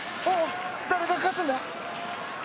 誰が勝つんだ？